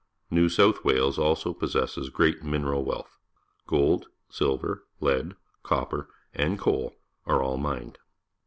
New South Wales also possesses great mineral wealth. Gold^ilver, lead, copper, and coal are all mined.